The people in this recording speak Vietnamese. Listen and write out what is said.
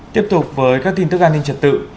tiếp tục với các tin tức an ninh trật tự